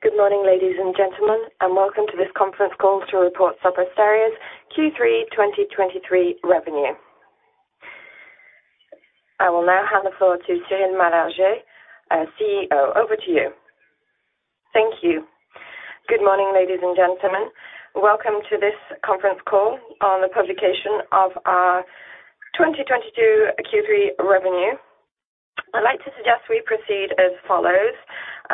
Good morning, ladies and gentlemen, and welcome to this conference call to report Sopra Steria's Q3 2023 revenue. I will now hand the floor to Cyril Malargé, our CEO. Over to you. Thank you. Good morning, ladies and gentlemen. Welcome to this conference call on the publication of our 2022 Q3 revenue. I'd like to suggest we proceed as follows.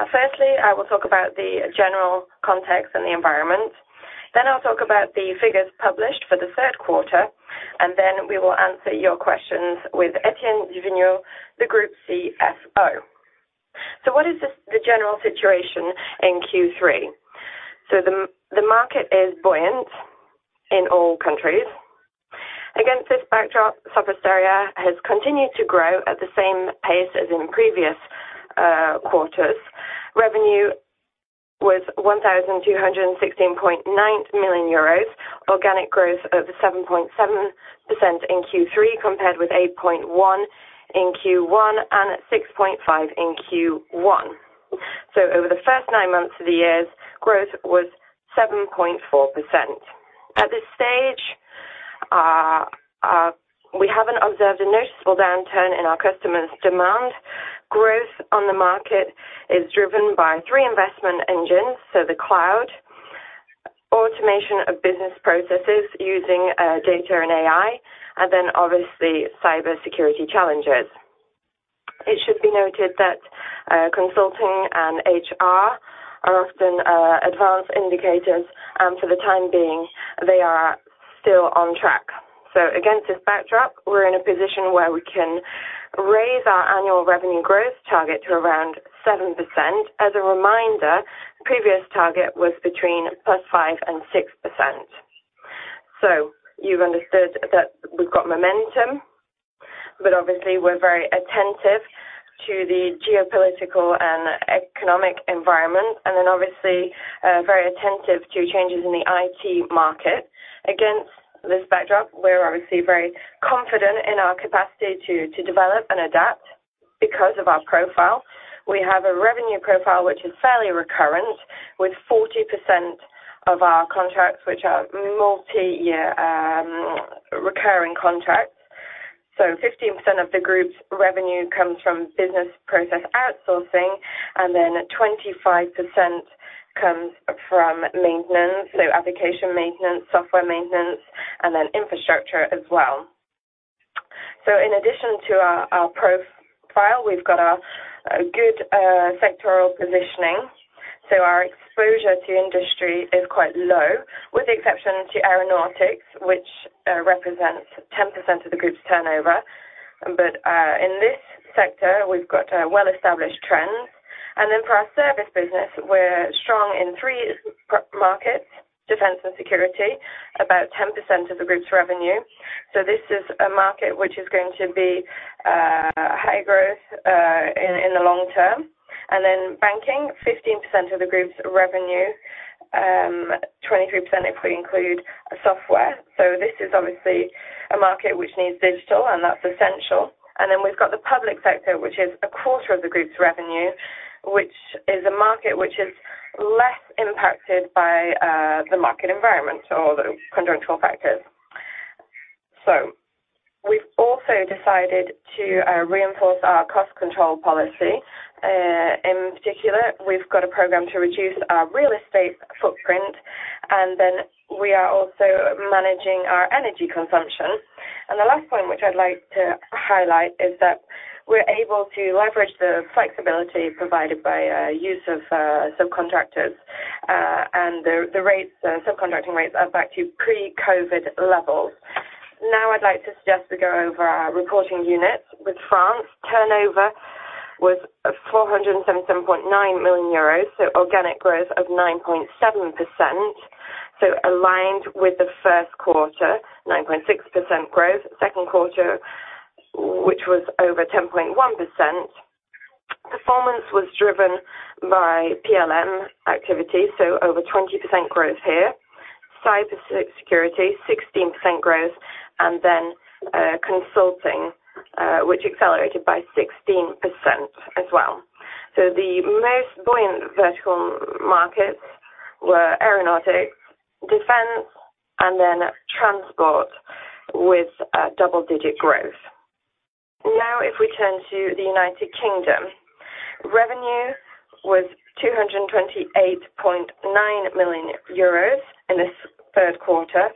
Firstly, I will talk about the general context and the environment. I'll talk about the figures published for the third quarter, and then we will answer your questions with Etienne du Vignaux, the group CFO. What is this, the general situation in Q3? The market is buoyant in all countries. Against this backdrop, Sopra Steria has continued to grow at the same pace as in previous quarters. Revenue was 1,216.9 million euros, organic growth of 7.7% in Q3 compared with 8.1% in Q1 and 6.5% in Q1. Over the first nine months of the years, growth was 7.4%. At this stage, we haven't observed a noticeable downturn in our customers' demand. Growth on the market is driven by three investment engines. The cloud, automation of business processes using data and AI, and then obviously, cybersecurity challenges. It should be noted that consulting and HR are often advanced indicators, and for the time being, they are still on track. Against this backdrop, we're in a position where we can raise our annual revenue growth target to around 7%. As a reminder, previous target was between +5% and 6%. You've understood that we've got momentum, but obviously, we're very attentive to the geopolitical and economic environment, and then obviously, very attentive to changes in the IT market. Against this backdrop, we're obviously very confident in our capacity to develop and adapt because of our profile. We have a revenue profile which is fairly recurrent, with 40% of our contracts which are multi-year, recurring contracts. 15% of the group's revenue comes from business process outsourcing, and then 25% comes from maintenance, so application maintenance, software maintenance, and then infrastructure as well. In addition to our profile, we've got a good sectoral positioning. Our exposure to industry is quite low, with the exception to aeronautics, which represents 10% of the group's turnover. In this sector, we've got a well-established trends. For our service business, we're strong in three markets, defense and security, about 10% of the group's revenue. This is a market which is going to be high growth in the long-term. Banking, 15% of the group's revenue, 23% if we include software. This is obviously a market which needs digital, and that's essential. We've got the public sector, which is a quarter of the group's revenue, which is a market which is less impacted by the market environment, so the conjunctural factors. We've also decided to reinforce our cost control policy. In particular, we've got a program to reduce our real estate footprint, and then we are also managing our energy consumption. The last point, which I'd like to highlight, is that we're able to leverage the flexibility provided by use of subcontractors, and the rates, the subcontracting rates are back to pre-COVID levels. Now, I'd like to suggest we go over our reporting units with France. Turnover was EUR 477.9 million, so organic growth of 9.7%, so aligned with the first quarter, 9.6% growth. Second quarter, which was over 10.1%. Performance was driven by PLM activity, so over 20% growth here. Cyber security, 16% growth, and then consulting, which accelerated by 16% as well. The most buoyant vertical markets were aeronautics, defense, and then transport with double-digit growth. Now, if we turn to the United Kingdom, revenue was 228.9 million euros in this third quarter.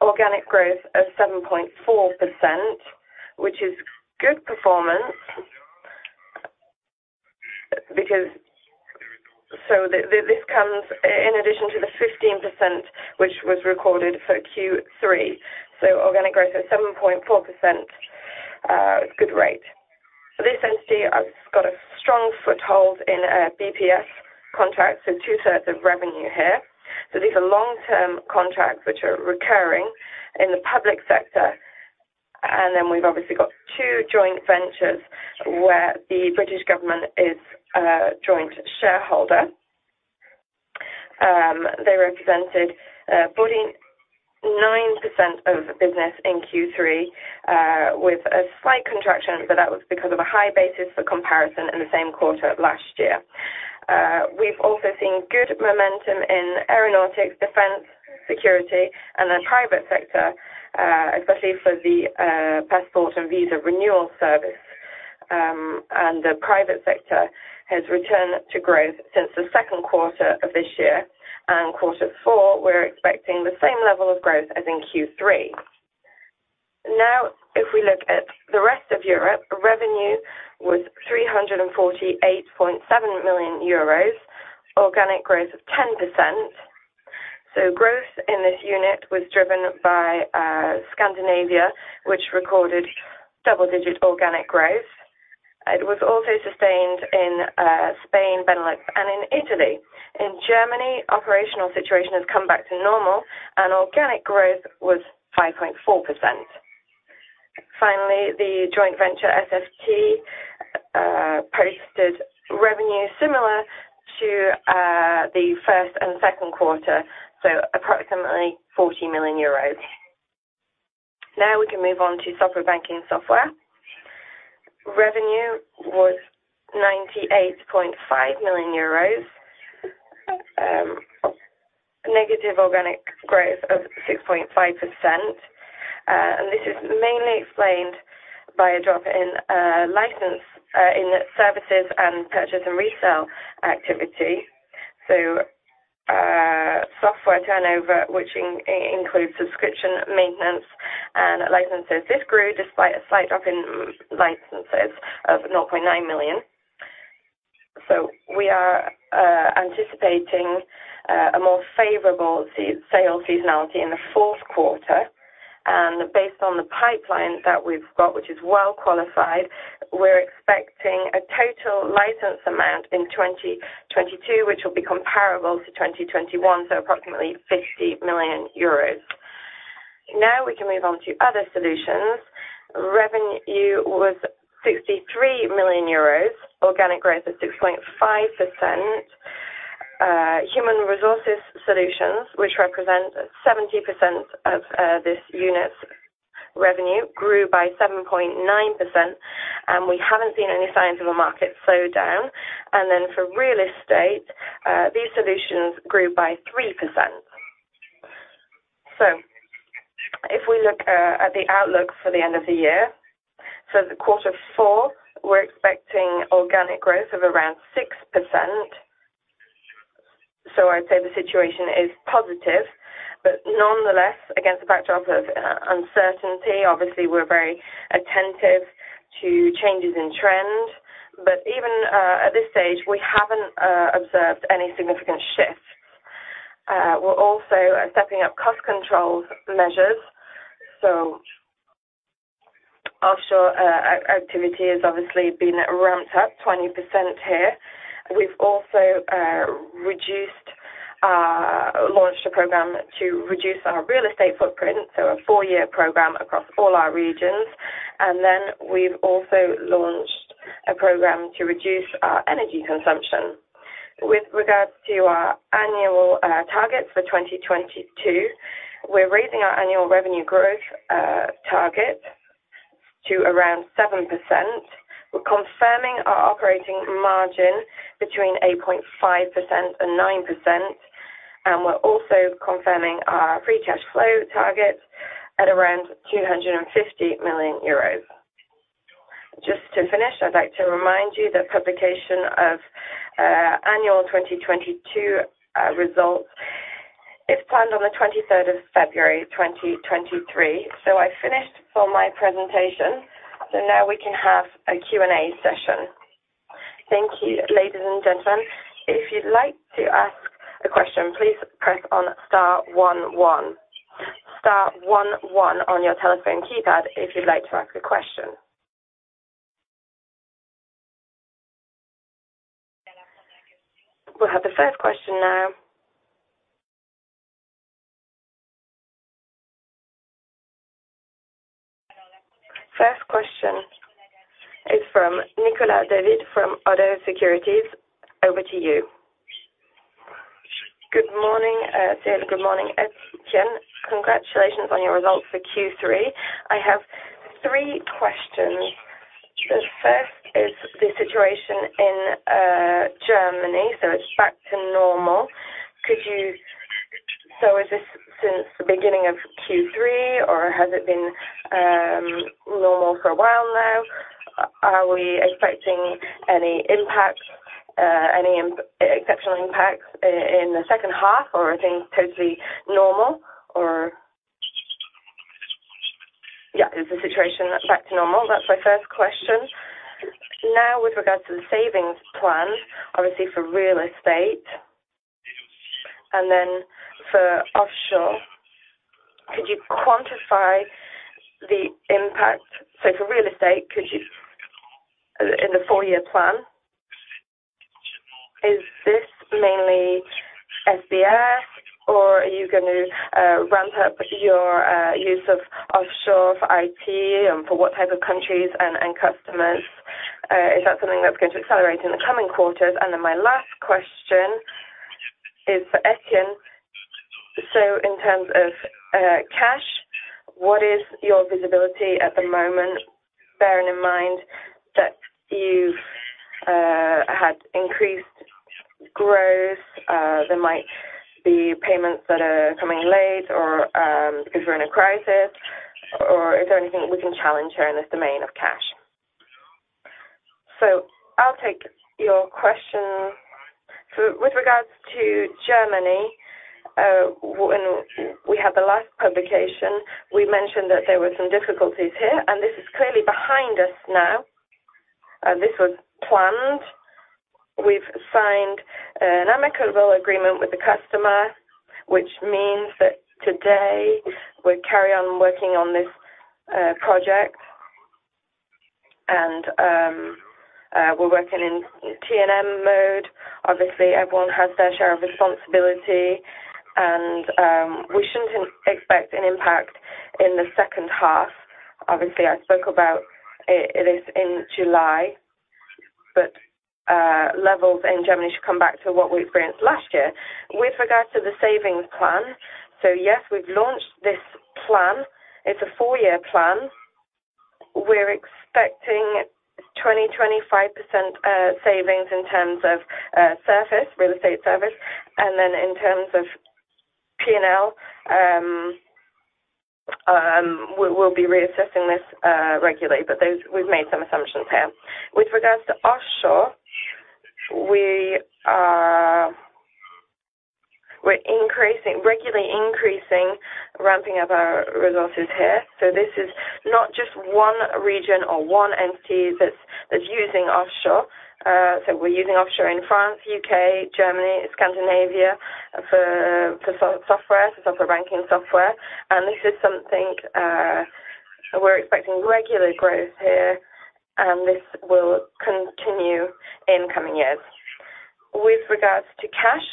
Organic growth of 7.4%, which is good performance. This comes in addition to the 15% which was recorded for Q3. Organic growth of 7.4%, good rate. This entity has got a strong foothold in BPS contracts, so two-thirds of revenue here. These are long-term contracts which are recurring in the public sector. Then we've obviously got two joint ventures where the British government is a joint shareholder. They represented 49% of business in Q3 with a slight contraction, but that was because of a high basis for comparison in the same quarter of last year. We've also seen good momentum in aeronautics, defense, security and the private sector, especially for the passport and visa renewal service. The private sector has returned to growth since the second quarter of this year. Quarter four, we're expecting the same level of growth as in Q3. Now, if we look at the rest of Europe, revenue was 348.7 million euros, organic growth of 10%. Growth in this unit was driven by Scandinavia, which recorded double-digit organic growth. It was also sustained in Spain, Benelux and in Italy. In Germany, operational situation has come back to normal and organic growth was 5.4%. Finally, the joint venture SFT posted revenue similar to the first and second quarter, approximately 40 million euros. Now we can move on to Sopra Banking Software. Revenue was 98.5 million euros. Negative organic growth of -6.5%. This is mainly explained by a drop in services and purchase and resale activity. Software turnover, which includes subscription, maintenance and licenses, grew despite a slight drop in licenses of 0.9 million. We are anticipating a more favorable sales seasonality in the fourth quarter. Based on the pipeline that we've got, which is well qualified, we're expecting a total license amount in 2022, which will be comparable to 2021, so approximately 50 million euros. Now we can move on to other solutions. Revenue was 63 million euros. Organic growth of 6.5%. Human resources solutions, which represent 70% of this unit's revenue, grew by 7.9%, and we haven't seen any signs of a market slowdown. For real estate, these solutions grew by 3%. If we look at the outlook for the end of the year. The quarter four, we're expecting organic growth of around 6%. I'd say the situation is positive, but nonetheless, against the backdrop of uncertainty, obviously we're very attentive to changes in trend. Even at this stage, we haven't observed any significant shifts. We're also stepping up cost control measures. Offshore activity has obviously been ramped up 20% here. We've also launched a program to reduce our real estate footprint, so a four-year program across all our regions. We've also launched a program to reduce our energy consumption. With regards to our annual targets for 2022, we're raising our annual revenue growth target to around 7%. We're confirming our operating margin between 8.5% and 9%, and we're also confirming our free cash flow targets at around 250 million euros. Just to finish, I'd like to remind you the publication of annual 2022 results is planned on the 23rd of February, 2023. I've finished for my presentation. Now we can have a Q&A session. Thank you, ladies and gentlemen. If you'd like to ask a question, please press on star one one. Star one one on your telephone keypad if you'd like to ask a question. We have the first question now. First question is from Nicolas David from ODDO Securities. Over to you. Good morning, Cyril. Good morning, Etienne. Congratulations on your results for Q3. I have three questions. The first is the situation in Germany, so it's back to normal. So is this since the beginning of Q3 or has it been normal for a while now? Are we expecting any impact, any exceptional impacts in the second half or are things totally normal? Is the situation back to normal? That's my first question. Now with regards to the savings plan, obviously for real estate and then for offshore, could you quantify the impact? So for real estate, in the four-year plan, is this mainly FCF? Are you gonna ramp up your use of offshore for IT and for what type of countries and customers? Is that something that's going to accelerate in the coming quarters? Then my last question is for Etienne. In terms of cash, what is your visibility at the moment, bearing in mind that you've had increased growth, there might be payments that are coming late or, because we're in a crisis, or is there anything we can challenge here in this domain of cash? I'll take your question. With regards to Germany, when we had the last publication, we mentioned that there were some difficulties here, and this is clearly behind us now. This was planned. We've signed an amicable agreement with the customer, which means that today we carry on working on this project. We're working in T&M mode. Obviously, everyone has their share of responsibility and we shouldn't expect an impact in the second half. Obviously, I spoke about it is in July, but levels in Germany should come back to what we experienced last year. With regards to the savings plan, yes, we've launched this plan. It's a four-year plan. We're expecting 20-25% savings in terms of service, real estate service. Then in terms of P&L, we'll be reassessing this regularly, but those. We've made some assumptions here. With regards to offshore, we're increasing, regularly increasing, ramping up our resources here. This is not just one region or one entity that's using offshore. We're using offshore in France, U.K., Germany, Scandinavia for Sopra Banking Software. This is something, we're expecting regular growth here, and this will continue in coming years. With regards to cash,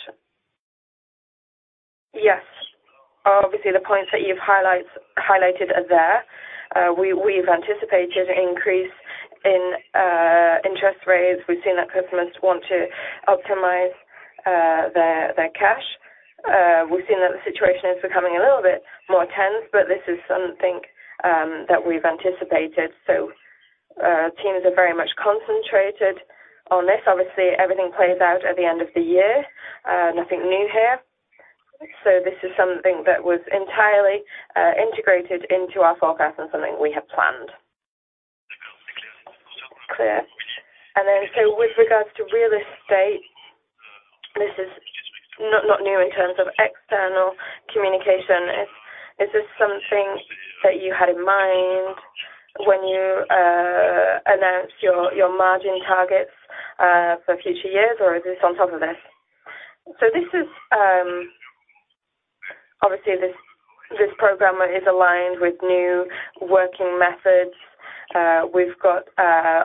yes. Obviously, the points that you've highlighted are there. We've anticipated an increase in interest rates. We've seen that customers want to optimize their cash. We've seen that the situation is becoming a little bit more tense, but this is something that we've anticipated. Teams are very much concentrated on this. Obviously, everything plays out at the end of the year. Nothing new here. This is something that was entirely integrated into our forecast and something we have planned. Clear. With regards to real estate, this is not new in terms of external communication. Is this something that you had in mind when you announced your margin targets for future years, or is this on top of this? This is obviously this program is aligned with new working methods. We've got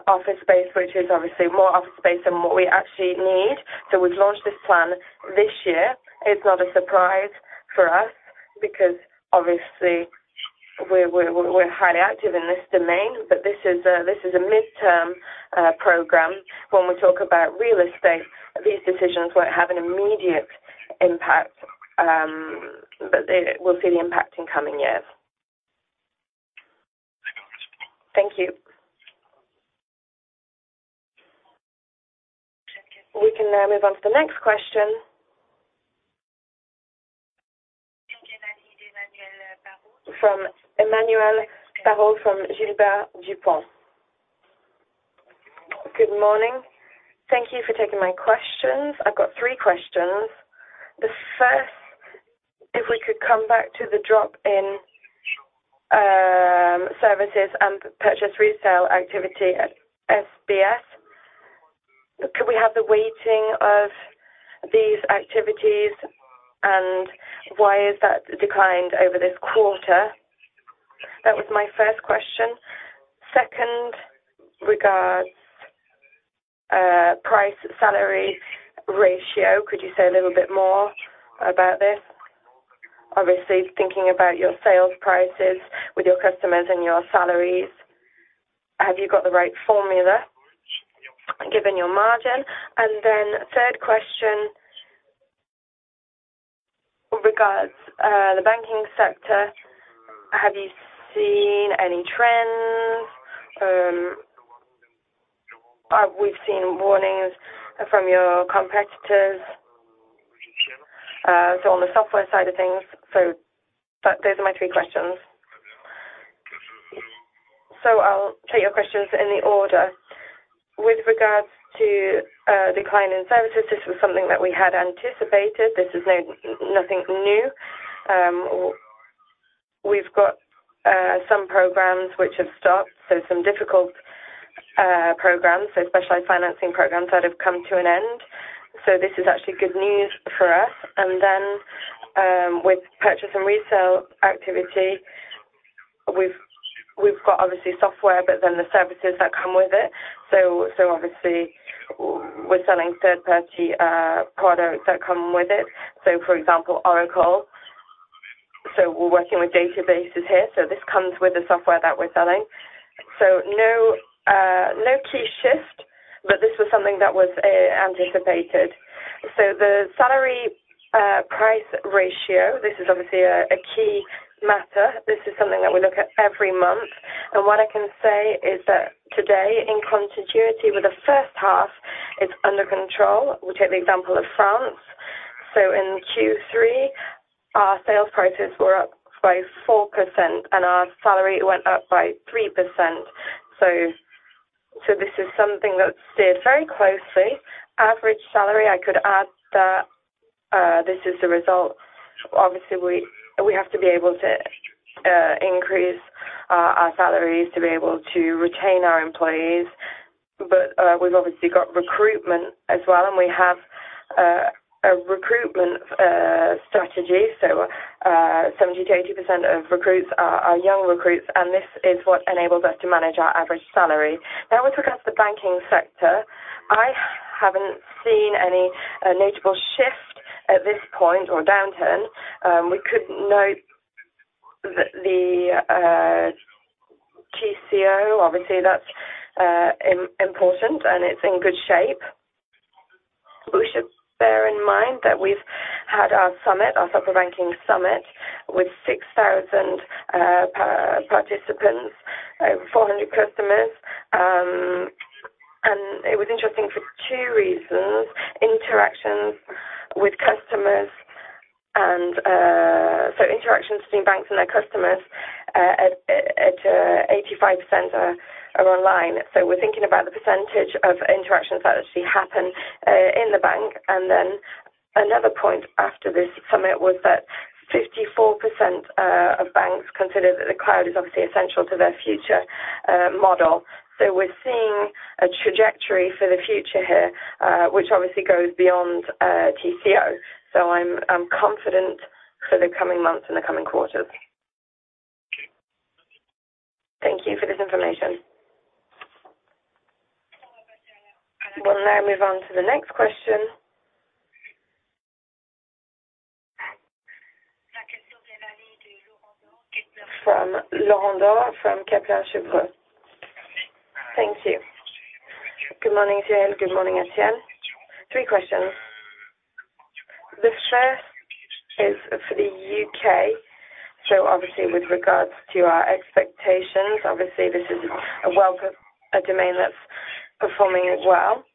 office space, which is obviously more office space than what we actually need. We've launched this plan this year. It's not a surprise for us because obviously we're highly active in this domain. This is a mid-term program. When we talk about real estate, these decisions won't have an immediate impact, but we'll see the impact in coming years. Thank you. We can now move on to the next question. From Emmanuel Parot, from Gilbert Dupont. Good morning. Thank you for taking my questions. I've got three questions. The first, if we could come back to the drop in services and purchase resale activity at SBS. Could we have the weighting of these activities, and why has that declined over this quarter? That was my first question. Second, regards price salary ratio. Could you say a little bit more about this? Obviously, thinking about your sales prices with your customers and your salaries, have you got the right formula given your margin? Third question regards the banking sector. Have you seen any trends? We've seen warnings from your competitors, so on the software side of things. Those are my three questions. I'll take your questions in the order. With regards to decline in services, this was something that we had anticipated. This is nothing new. We've got some programs which have stopped, so some difficult programs, so specialized financing programs that have come to an end. This is actually good news for us. With purchase and resale activity. We've got obviously software, but then the services that come with it. Obviously we're selling third-party products that come with it. For example, Oracle. We're working with databases here. This comes with the software that we're selling. No key shift, but this was something that was anticipated. The salary price ratio, this is obviously a key matter. This is something that we look at every month. What I can say is that today, in continuity with the first half, it's under control. We take the example of France. In Q3, our sales prices were up by 4%, and our salary went up by 3%. This is something that's steered very closely. Average salary, I could add that, this is the result. Obviously, we have to be able to increase our salaries to be able to retain our employees. But we've obviously got recruitment as well, and we have a recruitment strategy. 70% to 80% of recruits are young recruits, and this is what enables us to manage our average salary. Now we look at the banking sector. I haven't seen any notable shift at this point or downturn. We could note that the TCO, obviously that's important and it's in good shape. We should bear in mind that we've had our summit, our software banking summit, with 6,000 participants, over 400 customers. It was interesting for two reasons, interactions with customers and interactions between banks and their customers at 85% are online. We're thinking about the percentage of interactions that actually happen in the bank. Another point after this summit was that 54% of banks consider that the cloud is obviously essential to their future model. We're seeing a trajectory for the future here, which obviously goes beyond TCO. I'm confident for the coming months and the coming quarters. Thank you for this information. We'll now move on to the next question. From Laurent Daure from Kepler Cheuvreux. Thank you. Good morning, Cyril. Good morning, Étienne. Three questions. The first is for the U.K., obviously with regards to our expectations, obviously, this is a welcome, a domain that's performing well.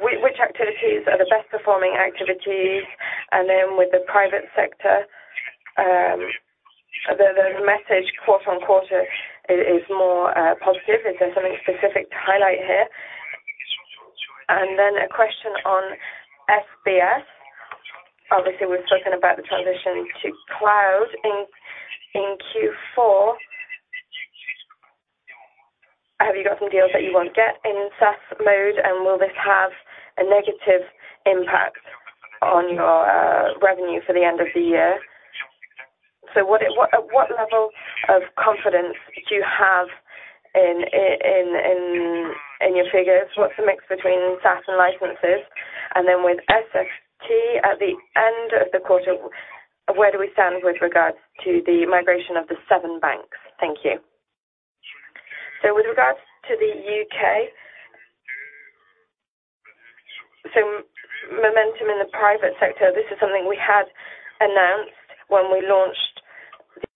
Which activities are the best performing activities? With the private sector, the message quarter-on-quarter is more positive. Is there something specific to highlight here? A question on SBS. Obviously, we've spoken about the transition to cloud in Q4. Have you got some deals that you won't get in SaaS mode? Will this have a negative impact on your revenue for the end of the year? At what level of confidence do you have in your figures? What's the mix between SaaS and licenses? With SFT at the end of the quarter, where do we stand with regards to the migration of the seven banks? Thank you. With regards to the U.K.. Momentum in the private sector, this is something we had announced when we launched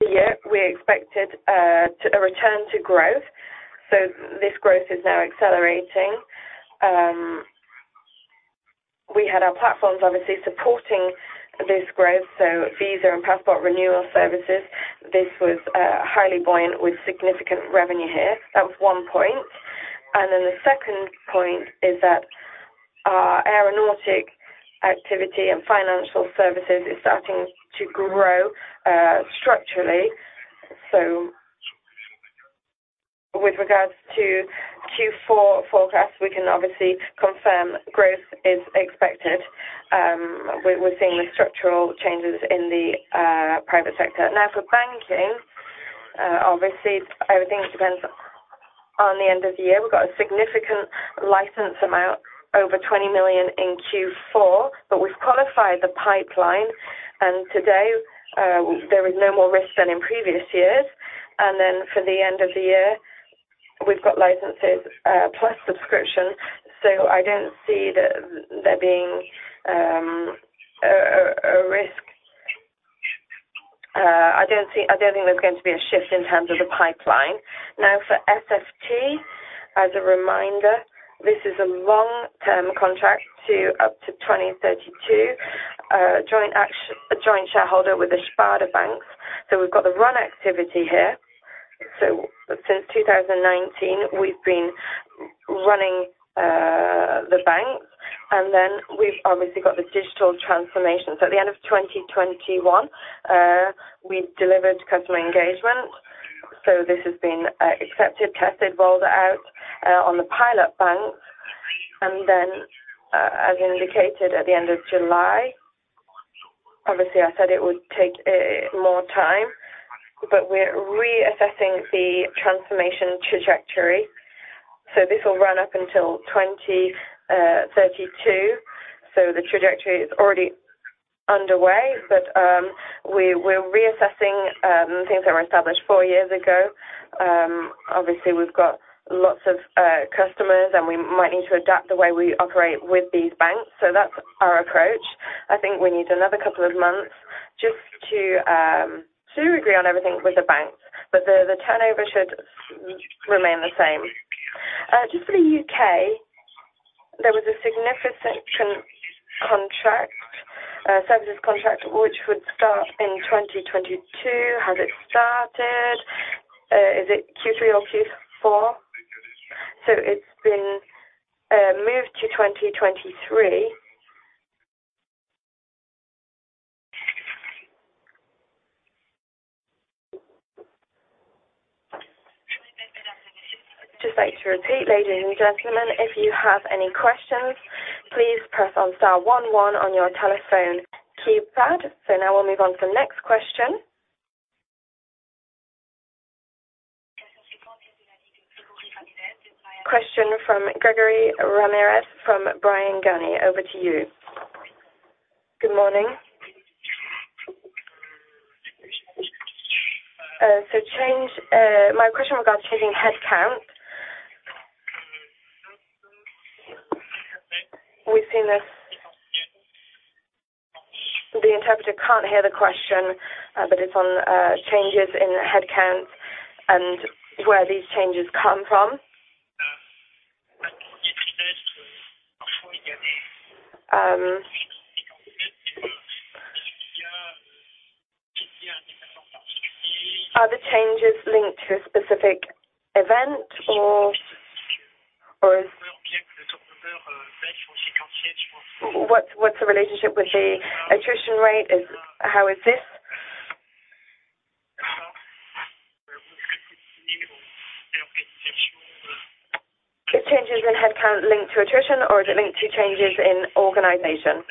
the year. We expected a return to growth. This growth is now accelerating. We had our platforms obviously supporting this growth. Visa and passport renewal services, this was highly buoyant with significant revenue here. That was one point. Then the second point is that our aeronautic activity and financial services is starting to grow structurally. With regards to Q4 forecast, we can obviously confirm growth is expected. We're seeing the structural changes in the private sector. Now for banking, obviously, everything depends on the end of the year. We've got a significant license amount over 20 million in Q4, but we've qualified the pipeline. Today, there is no more risk than in previous years. For the end of the year, we've got licenses plus subscription. I don't see there being a risk. I don't think there's going to be a shift in terms of the pipeline. For SFT, as a reminder, this is a long-term contract up to 2032, joint shareholder with the Sparda-Banks. We've got the run activity here. Since 2019, we've been running the banks, and then we've obviously got the digital transformation. At the end of 2021, we delivered Customer Engagement. This has been accepted, tested, rolled out on the pilot banks. As indicated at the end of July, obviously, I said it would take more time, but we're reassessing the transformation trajectory. This will run up until 2032. The trajectory is already underway. We're reassessing things that were established four years ago. Obviously, we've got lots of customers, and we might need to adapt the way we operate with these banks. That's our approach. I think we need another couple of months just to agree on everything with the banks. The turnover should remain the same. Just for the U.K., there was a significant contract services contract which would start in 2022. Has it started? Is it Q3 or Q4? It's been moved to 2023. Just like to repeat, ladies and gentlemen, if you have any questions, please press on star one one on your telephone keypad. Now we'll move on to the next question. Question from Gregory Ramirez from Bryan Garnier. Over to you. Good morning. My question regards changing headcount. We've seen this. The interpreter can't hear the question, but it's on changes in headcount and where these changes come from. Are the changes linked to a specific event or is. What's the relationship with the attrition rate? How is this? Are changes in headcount linked to attrition or is it linked to changes in organization?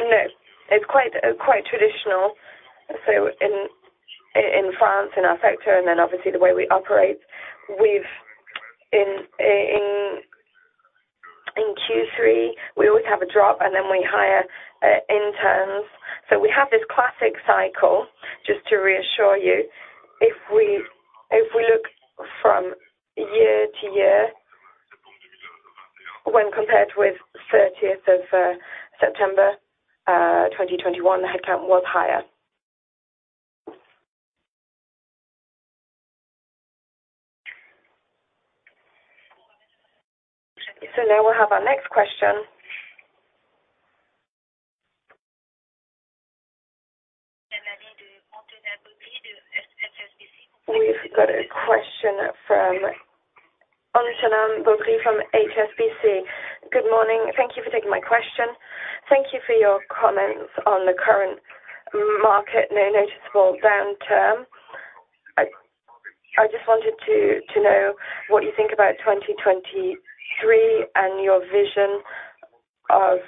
No. It's quite traditional. In France, in our sector, and then obviously the way we operate, we've. In Q3, we always have a drop, and then we hire interns. We have this classic cycle, just to reassure you. If we look from year to year, when compared with 30th of September 2021, the headcount was higher. We'll have our next question. We've got a question from Anshuman Bober from HSBC. Good morning. Thank you for taking my question. Thank you for your comments on the current market, no noticeable downturn. I just wanted to know what you think about 2023 and your vision of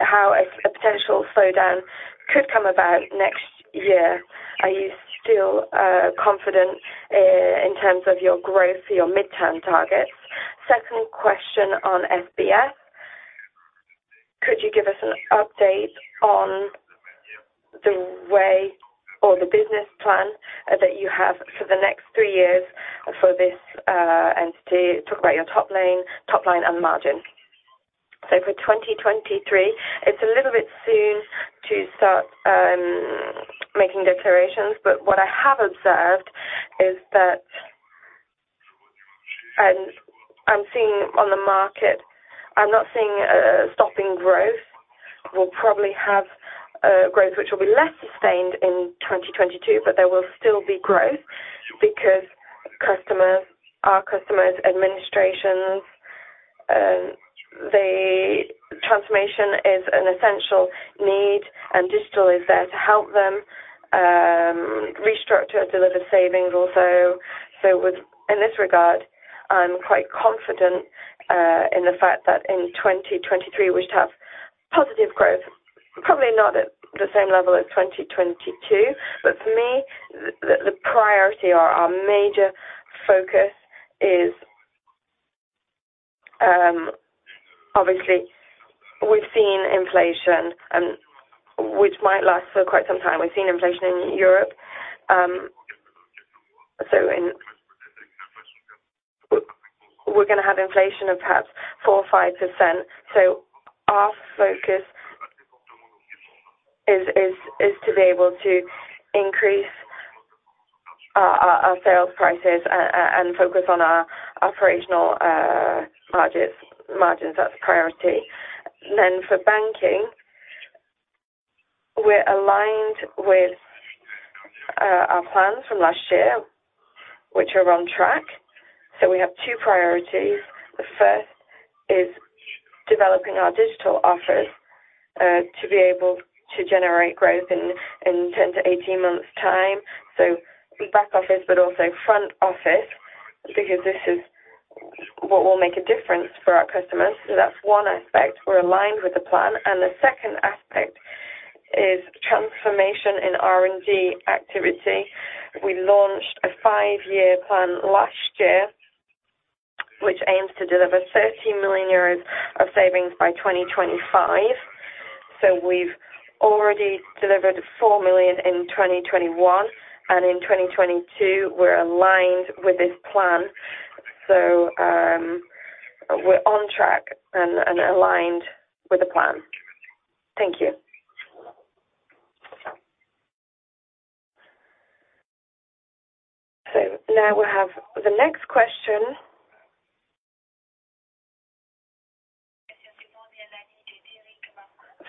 how a potential slowdown could come about next year. Are you still confident in terms of your growth for your mid-term targets? Second question on SBS. Could you give us an update on the way or the business plan that you have for the next three years for this entity? Talk about your top line and margin. For 2023, it's a little bit soon to start making declarations, but what I have observed is that I'm seeing on the market, I'm not seeing a stop in growth. We'll probably have growth which will be less sustained in 2022, but there will still be growth because customers, our customers, administrations, the transformation is an essential need, and digital is there to help them restructure, deliver savings also. In this regard, I'm quite confident in the fact that in 2023 we should have positive growth, probably not at the same level as 2022. For me, the priority or our major focus is obviously we've seen inflation, which might last for quite some time. We've seen inflation in Europe. We're gonna have inflation of perhaps 4%-5%. Our focus is to be able to increase our sales prices and focus on our operational margins. That's priority. For banking, we're aligned with our plans from last year, which are on track. We have two priorities. The first is developing our digital office to be able to generate growth in 10-18 months' time. The back office, but also front office, because this is what will make a difference for our customers. That's one aspect. We're aligned with the plan. The second aspect is transformation in R&D activity. We launched a five-year plan last year, which aims to deliver 30 million euros of savings by 2025. We've already delivered 4 million in 2021, and in 2022, we're aligned with this plan. We're on track and aligned with the plan. Thank you. Now we have the next question.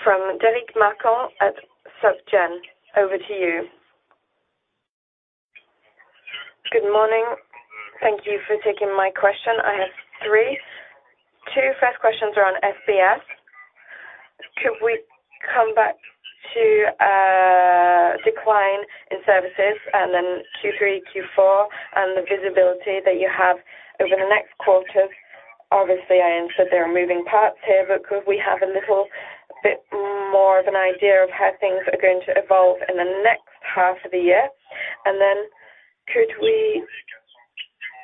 From Derric Marcon at Société Générale. Over to you. Good morning. Thank you for taking my question. I have three. Two first questions are on SBS. Could we come back to decline in services and then Q3, Q4, and the visibility that you have over the next quarters? Obviously, I understand there are moving parts here, but could we have a little bit more of an idea of how things are going to evolve in the next half of the year? And then,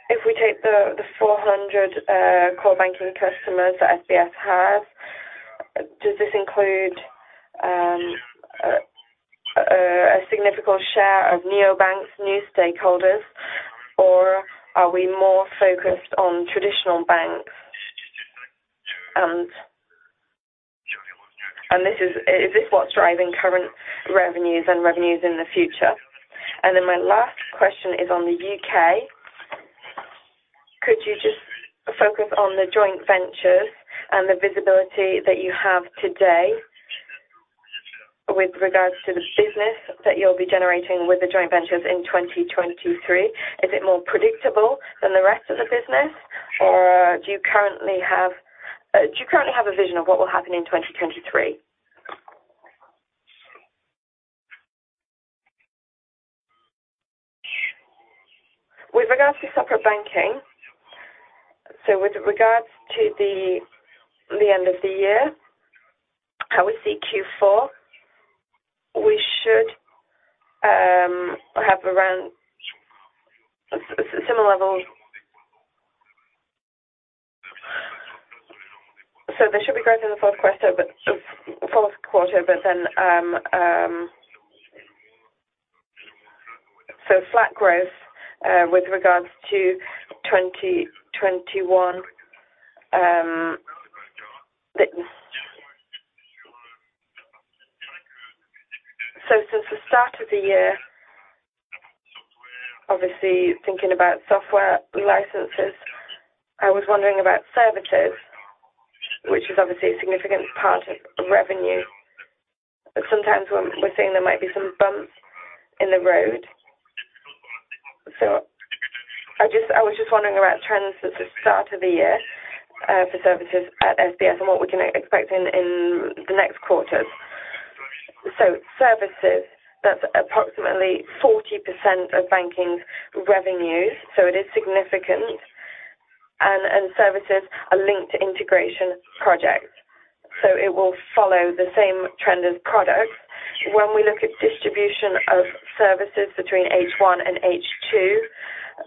if we take the 400 core banking customers that SBS have, does this include a significant share of neobanks, new stakeholders, or are we more focused on traditional banks? And this is this what's driving current revenues and revenues in the future? My last question is on the U.K.. Could you just focus on the joint ventures and the visibility that you have today with regards to the business that you'll be generating with the joint ventures in 2023? Is it more predictable than the rest of the business? Or do you currently have a vision of what will happen in 2023? With regards to Sopra Banking, with regards to the end of the year, how we see Q4, we should have around similar levels. There should be growth in the fourth quarter, but then flat growth with regards to 2021, that. Since the start of the year, obviously, thinking about software licenses, I was wondering about services, which is obviously a significant part of revenue. Sometimes we're seeing there might be some bumps in the road. I was just wondering about trends at the start of the year for services at SBS and what we can expect in the next quarters. Services, that's approximately 40% of banking revenues, so it is significant. Services are linked to integration projects, so it will follow the same trend as products. When we look at distribution of services between H1 and H2,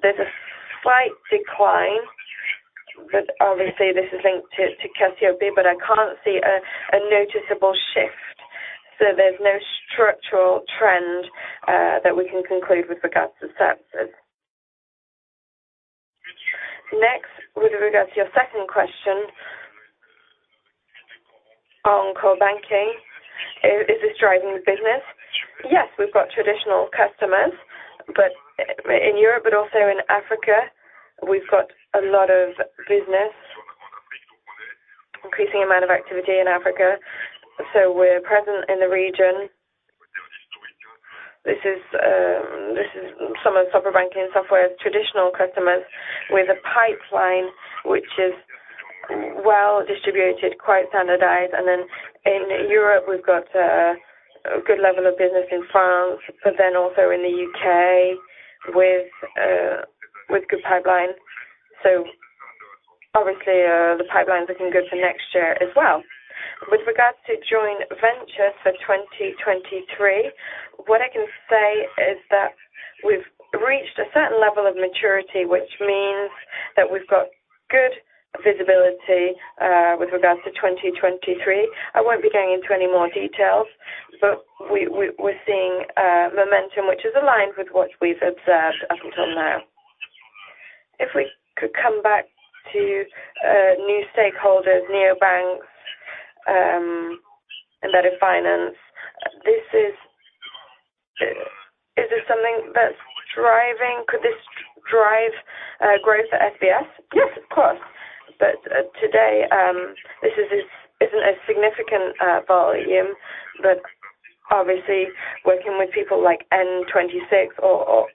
there's a slight decline, but obviously, this is linked to Cassiopae, but I can't see a noticeable shift. There's no structural trend that we can conclude with regards to services. Next, with regards to your second question on core banking, is this driving the business? Yes, we've got traditional customers, but in Europe, but also in Africa, we've got a lot of business, increasing amount of activity in Africa. We're present in the region. This is some of the Sopra Banking Software's traditional customers with a pipeline which is well-distributed, quite standardized. In Europe, we've got a good level of business in France, but then also in the U.K. with good pipeline. Obviously, the pipeline is looking good for next year as well. With regards to joint venture for 2023, what I can say is that we've reached a certain level of maturity, which means that we've got good visibility with regards to 2023. I won't be going into any more details, but we're seeing momentum which is aligned with what we've observed up until now. If we could come back to new stakeholders, neobanks, embedded finance. Is this something that's driving, could this drive growth at SBS? Yes, of course. Today this isn't a significant volume, but obviously working with people like N26 or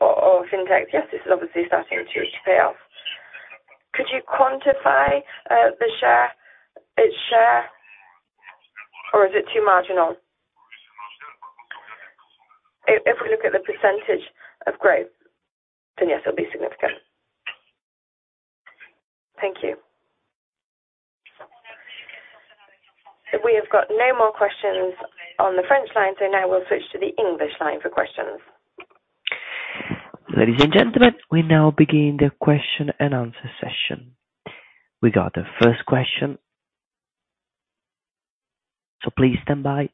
Fintech. Yes, this is obviously starting to pay off. Could you quantify the share, its share, or is it too marginal? If we look at the percentage of growth, then yes, it'll be significant. Thank you. We have got no more questions on the French line, so now we'll switch to the English line for questions. Ladies and gentlemen, we now begin the question and answer session. We got the first question, so please stand by.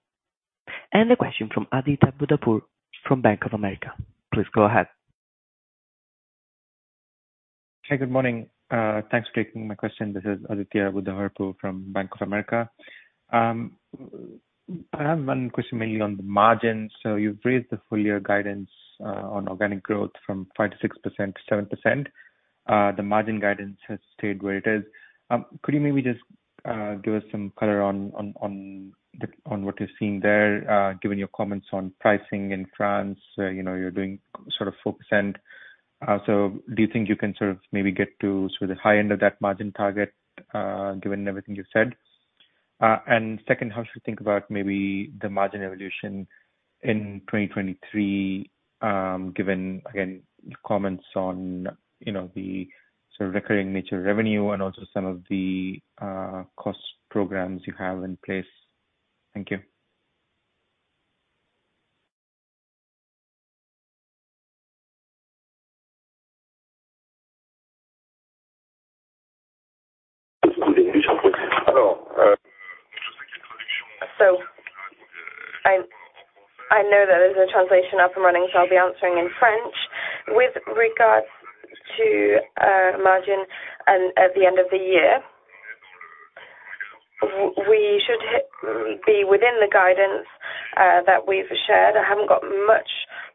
The question from Aditya Buddhavarapu from Bank of America. Please go ahead. Hey, good morning. Thanks for taking my question. This is Aditya Buddhavarapu from Bank of America. I have one question mainly on the margins. You've raised the full year guidance on organic growth from 5%-6% to 7%. The margin guidance has stayed where it is. Could you maybe just give us some color on what you're seeing there, given your comments on pricing in France, you know, you're doing sort of 4%. Do you think you can sort of maybe get to sort of the high end of that margin target, given everything you've said? Second, how should we think about maybe the margin evolution in 2023, given, again, comments on, you know, the sort of recurring nature of revenue and also some of the cost programs you have in place? Thank you. I know that there's a translation up and running, so I'll be answering in French. With regards to margin and at the end of the year, we should be within the guidance that we've shared. I haven't got much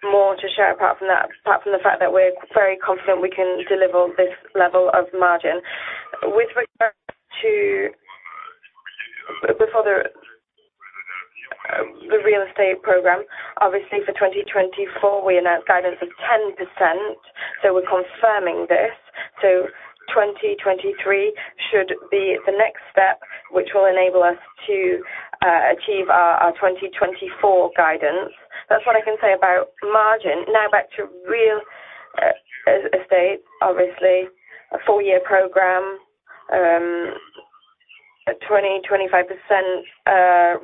more to share apart from that, apart from the fact that we're very confident we can deliver this level of margin. Before the real estate program. Obviously, for 2024, we announced guidance of 10%, so we're confirming this. 2023 should be the next step, which will enable us to achieve our 2024 guidance. That's what I can say about margin. Now back to real estate, obviously, a four-year program, a 25%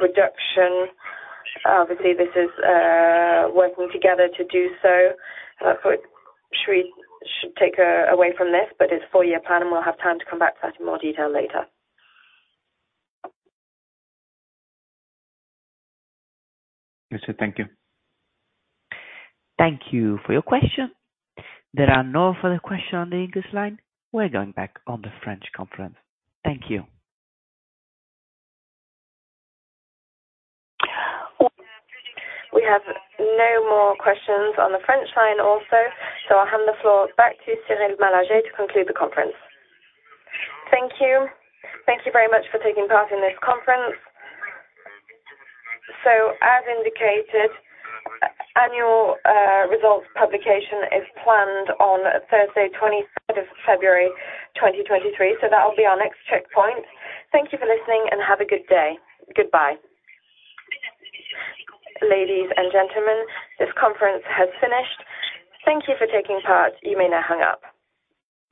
reduction. Obviously, this is working together to do so. That's what we should take away from this, but it's a four-year plan, and we'll have time to come back to that in more detail later. Yes, thank you. Thank you for your question. There are no further questions on the English line. We're going back on the French conference. Thank you. We have no more questions on the French line also, so I'll hand the floor back to Cyril Malargé to conclude the conference. Thank you. Thank you very much for taking part in this conference. As indicated, annual results publication is planned on Thursday, twenty-third of February, 2023. That'll be our next checkpoint. Thank you for listening, and have a good day. Goodbye. Ladies and gentlemen, this conference has finished. Thank you for taking part. You may now hang up.